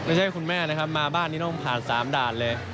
ไม่ใช่คุณแม่นะครับมาบ้านนี้ต้องผ่าน๓ด่านเลย